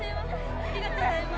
ありがとうございます。